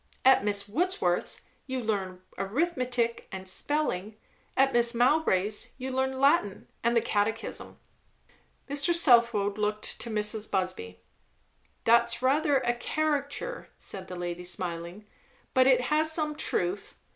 At Miss Wordsworth's you learn arithmetic and spelling. At Mrs. Mowbray's you learn Latin and the Catechism." Mr. Southwode looked to Mrs. Busby. "That's rather a caricature," said the lady smiling; "but it has some truth.